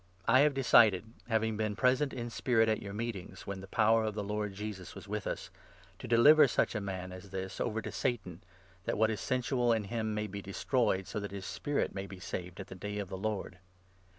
I have 4 decided — having been present in spirit at your meetings, when the power of the Lord Jesus was with us — to deliver such a man 5 as this over to Satan, that what is sensual in him may be destroyed, so that his spirit may be saved at the Day of the Lord.